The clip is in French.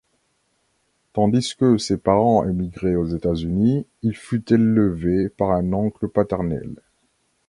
Tandis que ses parents émigraient aux États-Unis, il fut élevé par un oncle paternel.